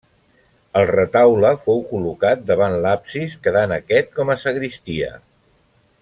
El retaule fou col·locat davant l'absis, quedant aquest com a sagristia.